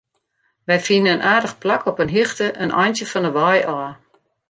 Wy fine in aardich plak op in hichte, in eintsje fan 'e wei ôf.